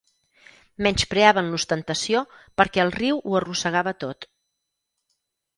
Menyspreaven l'ostentació perquè el riu ho arrossegava tot.